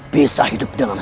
bisa hidup dengan